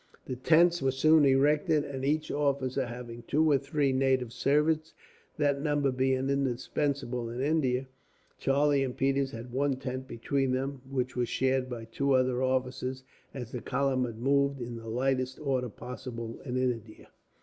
The tents were soon erected, each officer having two or three native servants, that number being indispensable in India. Charlie and Peters had one tent between them, which was shared by two other officers, as the column had moved in the lightest order possible in India.